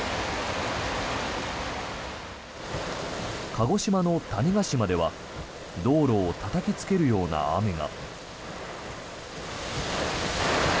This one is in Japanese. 鹿児島の種子島では道路をたたきつけるような雨が。